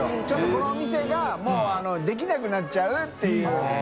このお店が發できなくなっちゃうっていう。